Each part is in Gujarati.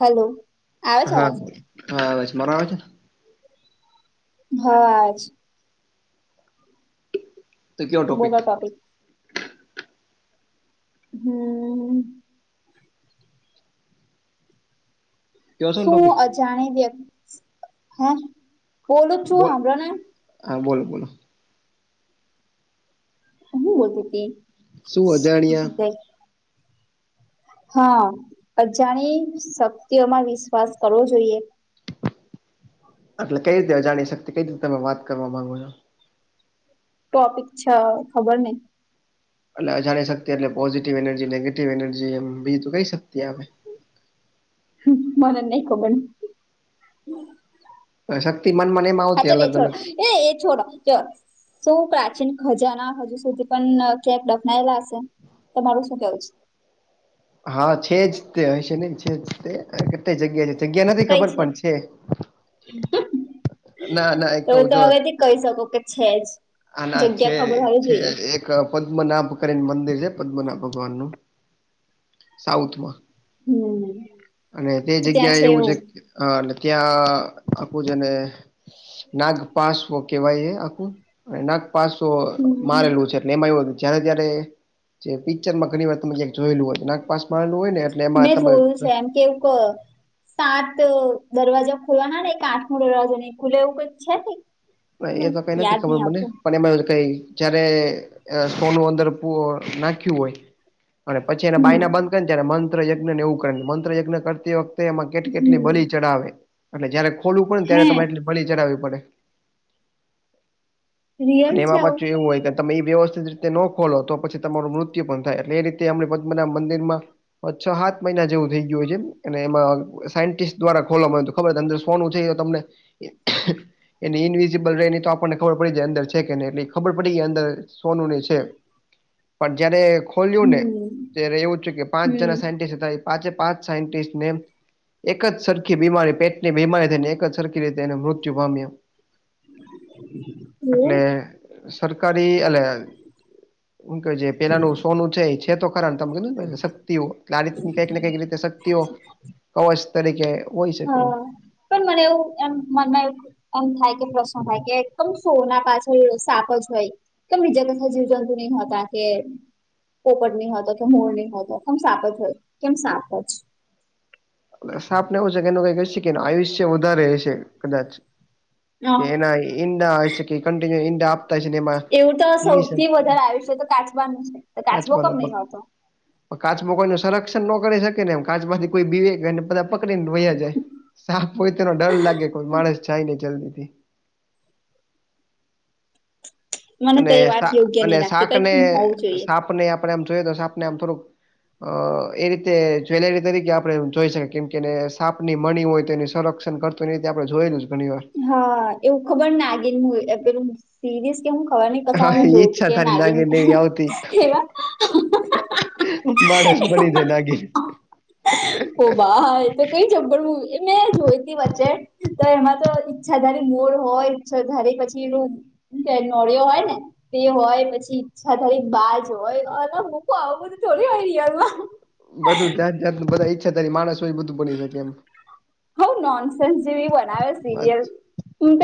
હલો. આવે છે હા અવાજ હા આવે છે મારો આવે છે? હાજ તો બોલો ટોપિક હમ્મ. કયો છો ને શું ટોપિક અજાણી વ્યક્તિ હે બોલું છું, બોલ સાંભળો ને. હા, બોલો, બોલો. હું બોલતી શું અજાણ્યા હતી. હા, અજાણી શક્તિઓમાં વિશ્વાસ કરવો જોઈએ. એટલે કઈ રીતે જાણી શકે, કઈ રીતે તમે વાત કરવા માંગો છો? ટોપિક છે, ખબર નહીં. એટલે અજાણી શક્તિ એટલે પોઝિટિવ એનર્જી નેગેટિવ એનર્જી એમ બીજું કઈ શક્તિ આવે. હમ્મ, મને જ નહિ ખબર. શક્તિ મન મન એમ હા આવતી, ચાલ એ અલગ-અલગ. એ એ છોડો ચર [unintelligible] શૌ પ્રાચીન ખજાના, હજુ સુધી પણ કેક દખનાયેલા હશે. તમારું શું કેવું છે? હા છે જ, તે હશે નહી છે જ, તે કેટલી જગ્યા છે, જગ્યા નથી ખબર પણ છે. [unintelligible] ના ના એ તો કઉ ત જો હવેથી કહી શકો કે છે જ, આના છે જગ્યા ખબર હોવી છે જોઈએ. એક પદ્મનાભ કરીને મંદિર છે, પદ્મનાભ ભગવાન નું સાઉથમાં હમ્મ. અને તે જગ્યા એવું છે, અ ત્યાં આપું છે ને. નાગ પાસવ કેવાય એ, આખું નાગ. પાસો હમ મારેલું છે, એટલે એમાં એવું. જયારે ત્યારે જે પિક્ચર માં ઘણી વાર તમે જોયેલું હોય. પાસમાર નો હોય. ને એટલે એમાં મેં તમે જોયું છે, એમ કે એવું ક સાત દરવાજા ખુલવાના ને, કે આઠમો દરવાજો નઈ ખુલે એવું કઈક છે ને. એ હમ તો કઈ યાદ નથી ખબર, નહી મને આવતું પણ એમાં કઈ. જયારે અ સોનું પુ અંદર નાખ્યું હોય. અને પછી એના હમ બાયના બંધ કરીને, ત્યારે મંત્ર યગ્ન ને એવું કરે ને, મંત્રયજ્ઞ કરતી વખતે. એમાં કેટલી કેટલી હમ બળી ચડાવે, એટલે જયારે ખોલું પડેને, હે ત્યારે તમારે એટલી બળી ચડાવવી પડે. રિયલ અને છે એમાં આવું પાછું, એવું હોય કે તમે એ વ્યવસ્થિત રીતે નો ખોલો તો, પછી તમારું મૃત્યુ પણ થાય, એટલે એ રીતે એમ પદ્મનાભ મંદિરમાં પાંચ-છ-સાત મહિના જેવું થઈ ગયું હોય છે, એ અને એમાં સાયન્ટિસ્ટ દ્વારા ખોલવાવામાં આયુ હતું. ખબર અંદર સોનું છે, તમને એની ઈનવીજ જે બગડે નહી તો, આપણને ખબર પડી જાય, અંદર છે કે નહી, એટલે ખબર પડી કે, અંદર સોનું ની છે. પણ જયારે ખોલ્યું ને, હમ ત્યારે એવું થયુ કે, પાંચ હમ જણા સાયન્ટિસ્ટ હતા એ. પાંચે-પાંચ સાયન્ટિસ્ટને. એક જ સરખી બીમારી પેટની બીમારી થઈને, એક જ સરખી રીતે એને મૃત્યુ પામ્યો. [unintelligible] એટલે સરકારી અલ્યા હું કે, જે પેલાનું સોનું ચેન્જ. છે, તો ખરા તમે કીધું ને પછી શક્તિઓ આ રીતની કઈકને, કઈક એવી રીતે શક્તિઓ કવચ તરીકે હોય શકીએ. હા પણ મને એવું એમ, મનમાં એવું એમ થાય કે પ્રશ્ન થાય, કે એકદમ સોના પાછળ સાપ જ હોય. કે બી જગત ના જીવજંતુ નહું ખાતા કે પોપટ ની હોય હતો કે, મૂળ નઈ હોય, તો કેમ સાપ જ હોય, કેમ સાપ જ સાપ ને એવું હશે, એનું કે કહી હશે, આયુષ્ય વધારે હશે કદાચ. કે એના ઈંડા હશે કે કન્ટિન્યુ ઇંડા આપ એવું તો સૌથી વધારે આયુષ્ય તો કાચબાનું છે તો કાચબો કાચબાનો કમ પગ નહીં ખાતો કાચબો કોઈનું સંરક્ષણ નો કરી શકે ને એમ કાચમાંથી કોઈ બી એન્ડ પકડીને વયા જાય સાપ હોય તેનો ડર લાગે કોય માણસ જાય નઈ જલ્દીથી મને અને તો એ વાત સા યોગ્ય અને નહીં લાગતી શાક કઈક ને એમ હોવું જોઈએ સાપ ને આપણે આમ જોઈએ તો સાપ ને આમ થોડુંક અ એ રીતે જ્વેલરી તરીકે આપણે જોઈ શકીએ કે સાપની મણી હોય તો એ સંરક્ષણ કર તો એવી રીતે આપણે જોએલુ છે ઘણી વાર હા એવું ખબર નાગીન પેલું સિરીસ હું ખબર ની કથા હા જોઉં છું ઈચ્છા કે તારી નાગીન એવી આવતી એવા [inaudible] માણસ બની જાય નાગિન ઓ બા તો કઈ જબડું એ મેં જોઈ તી વચ્ચે તો એમાં તો ઈરછાધારી મોર હોય, ઈરછાધારુ, પછી એ નોળ્યો હોય ને. તે હોય, પછી ઈચ્છાધારી બાજ હોય, અને મૂકું આવું બધું થોડી હોય, રિયલમાં. બધું જાત-જાતનું, બધા ઈચ્છાધારી માણસ હોય. બધું બની શકે એમ હ, નોનસેસ જેવી બનાવે, સિરિયલ.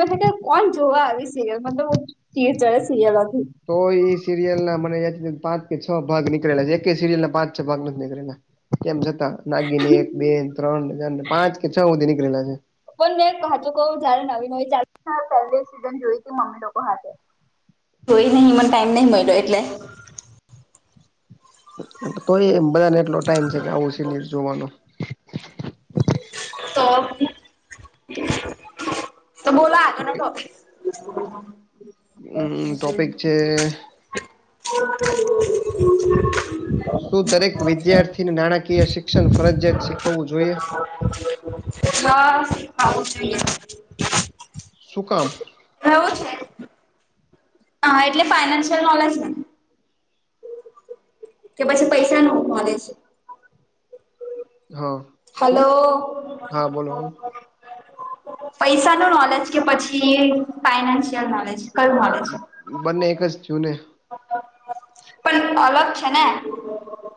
હ, કોણ જોવા આવી સિરિયલ, મતલબી, જારે સિરિલ હતી. તો સિરિયલ ના મને પાંચ કે છ ભાગ નીકળેલા છે, એક સિરિયલ ના પાંચ-છ ભાગ નથી નીકળેલા. તેમ છતાં, નાગીને એક-બે-ત્રણ, પાંચ કે છ સુધી નીકળેલા છે. પણ મેં હાચું કહું, જયારે નવી-નવી ફેમ સીઝન જોય, તો મમ્મી લોકો હાથે. કોઈ નહીં, મને ટાઈમ નહી મળ્યો એટલે. કોઈ બધાને એટલો ટાઈમ છે કે, આવું સિનિયર જોવાનું. તો, તો, બોલો આ ટોપિક. [inaudible] હમ, ટોપિક છે. [inaudible] શું દરેક વિદ્યાર્થીને નાણાકીય શિક્ષણ ફરજિયાત શીખવવું જોઈએ? [inaudible] શું કામ એવું છે. હા, એટલે ફાઈનાન્શિયલ નોલેજ. કે પછી પૈસા નો નોલેજ? હા. શું હલો. હા બોલો પૈસા નું નોલેજ કે, પછી ફાઈનાન્શિયલ નોલેજ કયું નોલેજ? બંને એક જ થયું ને. પણ અલગ છે ને,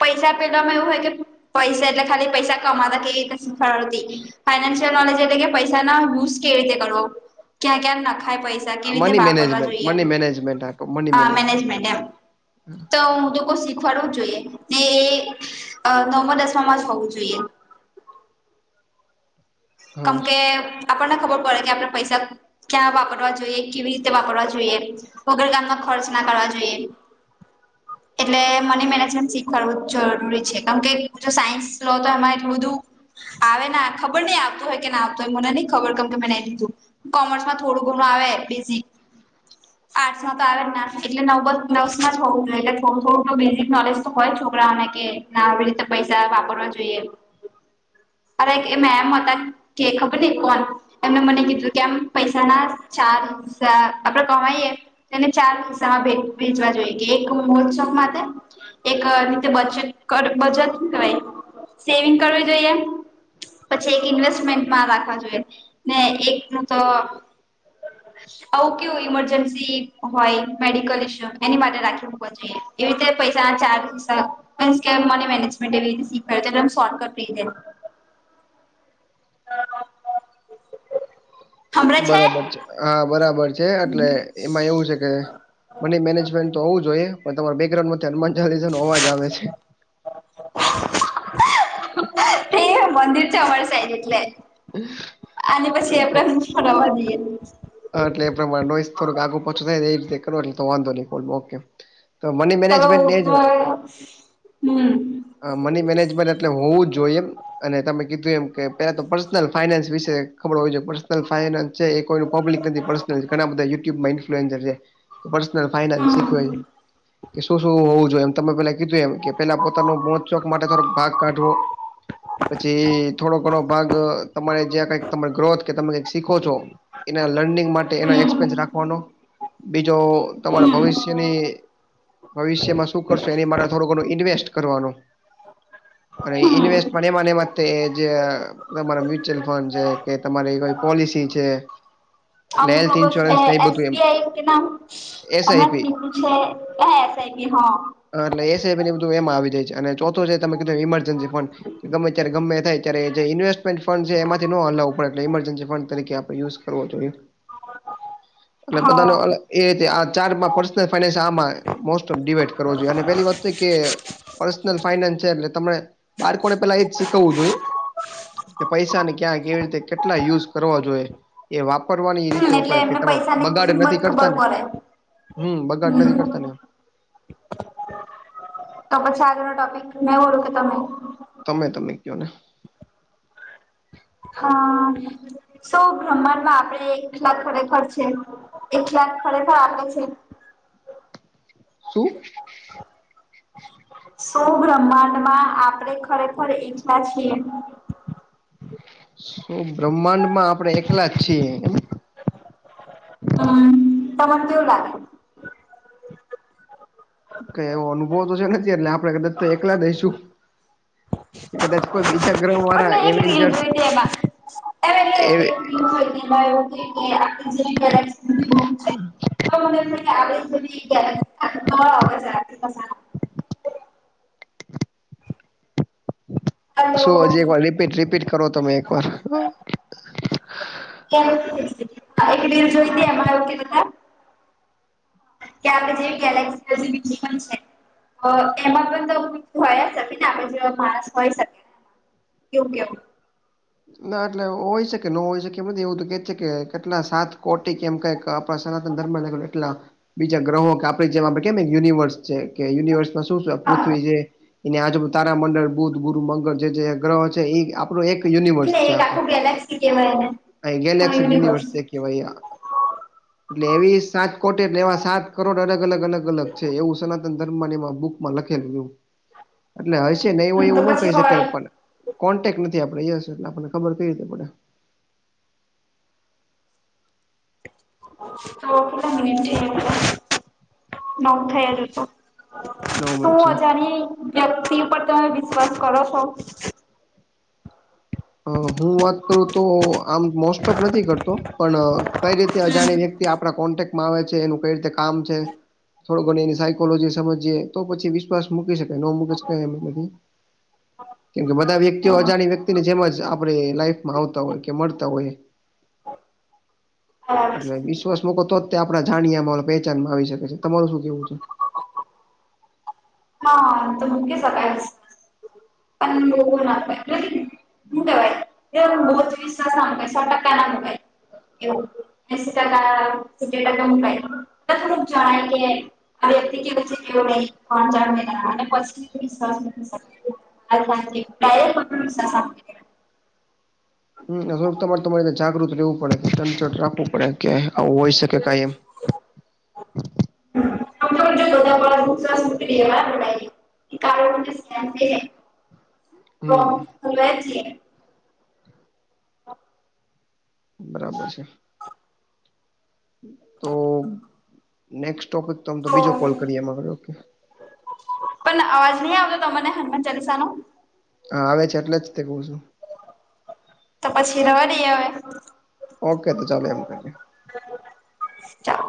પૈસા પેલામાં એવું હોય કે પૈસા એટલે, ખાલી પૈસા કમાતા કેવી રીતે શીખવડાવતી? ફાઈનાન્શિયલ નોલેજ એટલે કે પૈસા ના યુઝ કેવી રીતે કરવો? ક્યાં? ક્યાં? નખાય પૈસા કેવી રીતે મની વાપરવા મેનેજમેન્ટ, જોઈએ મની મેનેજમેન્ટ, હા. મેનેજમેન્ટ, એમ તો. ડવું જોઈએ, ને એ નવમાં-દશમામાં જ હોવું જોઈએ. કેમ હા કે, આપણને ખબર પડે કે, આપણે પૈસા. ક્યાં વાપરવા જોઈએ? કેવી રીતે વાપરવા જોઈએ? વગર કામના ખર્ચ ના કરવા જોઈએ. એટલે મની મેનેજમેન્ટ શીખવાડવું જરૂરી છે, કેમ કે જો સાયન્સ લો, તો એમાં એટલું બધું. આવે ના, ખબર નઈ આવતું હોય કે, ના આવતું હોય, મને નહી ખબર, કેમ કે મેં નહી લીધું. કોમર્સ માં થોડું ઘણું આવે બેઝિક આર્ટસમાં તો આવે જ ના, એટલે નવ-દસ જ હોવા જોઈએ, એટલે થું થોડું તો બેઝિક નોલેજ તો હોય જ છોકરાઓને કે ના, આવી રીતે પૈસા વાપરવા જોઈએ, અરે એ એક મેમ હતા કે ખબર ની કોણ એમને મને કીધું કે, આમ પૈસા ના ચાર્જ અહ આપડે કમાઈ એ તેને ચાર હસ્સા ભેજવા જોઈએ કે, એક મહોત્સવમાં માટે એક અહ રીતે બચત કર બચત કરાઈ, સેવિંગ કરવી જોઈએ. પછી એક ઇન્વેસ્ટમેન્ટ માં રાખવા જોઈએ ને, એક નું તો આવું કેવું ઈમરજન્સી હોય, મેડિકલ ઇસ્યૂ એની માટે રાખી મૂકવો જઈએ. એવી રીતે પૈસા ના ચાજ, અહ મીનસ કે મની મેનેજમેન્ટ એવી રીતે શીખવાય છે એટલે કે શોર્ટકટ રીતે બરાબર છે હા બરાબર છે એટલે એમાં એવું છે કે, મની મેનેજમેન્ટ તો હોવું જોઈએ, પણ તેમા બેકગ્રાઉન્ડ તે હનુમાનચાલીસો નો અવાજ આવે છે. એ હ મંદિર ચા અવાઝ તે એટલે આને પછી આપડે ફરવા જઈએ. હા, એટલે એ પ્રમાણે નું આગુ પાછું થાય એ રીતે કર એટલે તો વાંધો નહી. તમે હું તો હમ્મ અહ મની મેનેજમેન્ટ એટલે હોવું જ જોઈએ અને તમે કીધું એમ કે પેલા તો પર્સનલ ફાઈનાન્સ વિશે ખબર હોવી જોઈએ પર્સનલ ફાઈનાન્સ છે એ કોઈનું પબ્લિક નથી પર્સનલ ઘણા બધા યુટ્યુબ માં ઈન્ફ્લુએન્જર છે કે પર્સનલ ફાઇનાન્સ શીખવે હમ કે શું શું હોવું જોઈએ એમ તમે પેલા કીધું એમ કે પેલા પોતાનું મોત શોક માટે માટે થોક ભાગ કાઢવો પછી થોડો ઘણો ભાગ અહ તમારે જ્યાં કઈક ગ્રોથ કે તમે કઈક શીખો છો એના લર્નિંગ માટે એના એક્પયન્સ રાખવાનો બીજો તમારા હમ ભવિષ્યની ભવિષ્યમાં શું કરશો એની માટે થોડું ઘણું ઇન્વેસ્ટ કરવાનું અને હમ ઇન્વેસ્ટ મ એ મને મ જે તમારો મ્યુચ્યુઅલ ફંડ છે કે તમારી કોઈ પોલિસી છે એટલે અમુક હેલ્થ અમુક કે ઇન્સ્યોરન્સ ને એ એસ બધું એમ બી આઈ કે નામ અમાંત એસઆઈપી મીઠું છે હૈ એસ આઈ પી હા હ એટલે એસ આઈ બધ એમાં આવી જાય છે અને ચોથો જે તમે કીધું ઇરજન્સી ફંડ ગમે ત્યારે ગમે થાય ત્યારે જે ઇન્વેસ્ટમેન્ટ ફંડ એમાંથી નોલાવું પડ એટ ઇમજન્સી ફંડરીકે આપડે યુઝ વો થયું અને હા બધાને ઓલા એ તે આ ચારમાં પર્સનલ ફાઈનાન્સ આમાં મોસ્ટ ઓફ ડિવાઈડ કરવો જોઈએ અને પેલી વાત તો કે પર્સનલ ફાઈનાન્સ છે એટલે તમે બાળકો ને પેલા એજ શીખવવું જોઈએ. કે પૈસા ને ક્યાં કેવી રીતે કેટલા યુઝ કરવા જોઈએ. એ વાપરવાની એ રીતે એટલે વપરા પહિ એમને તમે પૈસાની બગાડે નથી કિંમત કરતા ખબર ને પડે હમ્મ બગાટ નથી હમ કરતા ને. તો પછી આજનો ટોપિક નહી ઓળું કે તમે તમે તમે કયો ને હા. સૌ બ્રહ્માંડ માં આપડે એકલાક ખરેખર છે એકલાક ખરેખર આપે છે. શું? સો બ્રહ્માંડ માં આપડે ખરેખર એકલા છીએ. શું બ્રહ્માંડ માં આપડણે એકલા જ છીએ હમ ત મને દવ લાગે કઈ એવો અનુભવ તો છે નથી એટલે આપણે કદાચ તો એકલા દઈશું એચ કોઈ બીજા ગ્રહ પણ દ્વારા મેં એ [unintelligible] [unintelligible] હેલો શું હજી એક વાર રીપીટ રીપીટ કરો તમે એક વાર એક રીલ જોઈતી એમાં એવું કીધુ તુ કે આપે જે ગેલેક્સી જે બીજી પન છે. એમાં પણ તો હોયાકે ને આપે માણસ હોય શકી એવું કેવું તુ ના એટલે હોય શકે ન હોય શકે એમધી એવું તો કે છે કેટલા સાત કોટી કેમ કઈક સતન ધર્મ એટલા બીજા ગ્રહો કે આપણે જે કે યુનિવર્સ કે યુનિવર્સમાં શું છે હા પૃથ્વી જે એને આજુબુ તારા મંડળ બુ્ધ ગુરુ મંગળ જે જે ગ્રહ છે એ આપણો એક યુનિવર્સ એટલે છે એક આખું ગેલેક્સી કેવાય એને. આખ ગેલેક્સ યુનિવર્સ છે કે ભાઈ [inaudible] એટલે એવી સાત કોટી એટલે એવા સાત કરોડ અલગ અલગ અલગ અલગ છે એવું સનાતન ધર્મની બુકમાં લખેલું હતું હ એટલે હશે ન એવ એવું ન કહી શકાય પણ કોન્ટેક્ટ નથી આપડે ય એટલે આપણને ખબર કઈ રીતે પડે તો કેટલા મિનટ થ ન થયા નવ [unintelligible] તું મિનિટ છે અજની વ્યક્તિ ઉપર તમે વિશ્વાસ કરો છો હું વાત કરું તો આમ મોસ્ટ ઓફ નથી કરતો પણ કઈ રીતે અજાણી વ્યક્તિ આપડા કોન્ટેકમાં આવે છે એનું કઈ રીતે કામ છે થોડો ઘણી એની સાયકોલોજી સમજીએ તો પછી વિશ્વાસ મૂકી શકાય ન મૂકી શકાય એમ નથી કેમકે બધા વ્યક્તિઓ અજાણણી વ્યક્તિને જેમ જ આપડે લાઈફમાં આવતા હોય કે મળતા હોય બરાબર એટલે છે. વિશ્વાસ મકો તો જ આપડા જાણમાં પહેચાનમાં આવી શકે છે તમારું શું કેવું છે [unintelligible] હું કેવાય [unintelligible] સો ટકા ના મુકાય એવું [unintelligible] આ વ્યક્તિ કેવું છે ને કેવું નઈ [unintelligible] [unintelligible] હમ થોડક તમારે તમારે જાગૃત રહેવું પડે ચટ રાખવું પડે કે આવું હોય શકે કઈ એમ [unintelligible] [unintelligible] હમ [unintelligible] બરાબર છે તો નેસ્ટ ટોપિક તો તો બીજો કોલ કરીએમાંગરે ઓકે પણ અવાજ નહી આવતો ત મને હનુમાન ચાલીસા નો હા આવે છે એટલે જ તે કું છું તો પછી રવા નઈ આવે ઓકે તો ચાલો એમ કરીએ ચાલો